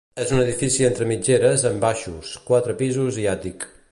És un edifici entre mitgeres amb baixos, quatre pisos i àtic.